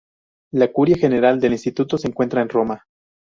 La curia general del instituto se encuentra en Roma.